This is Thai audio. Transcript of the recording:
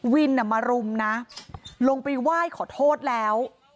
มารุมนะลงไปไหว้ขอโทษแล้ว